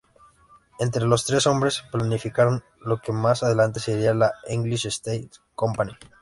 Entre los tres hombres planificaron lo que más adelante sería la English Stage Company.